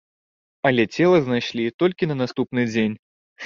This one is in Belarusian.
Але цела знайшлі толькі на наступны дзень.